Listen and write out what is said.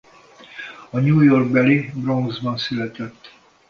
A New York-beli Bronxban született.